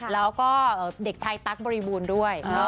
แล้วก็เด็กชายตั๊กบริบูรณ์ด้วย